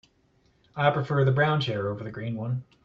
I prefer the brown chair over the green one.